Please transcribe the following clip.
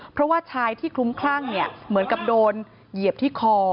เพราะว่าชายที่คลุ้มคลั่งเหมือนกับโดนเหยียบที่คอ